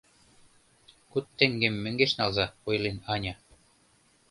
Куд теҥгем мӧҥгеш налза, — ойлен Аня.